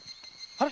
あれ？